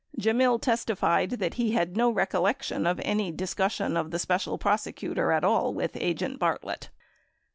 Gemmill testified that he had no recollection of any discussion of the Special Prosecutor at all with agent Bartlett.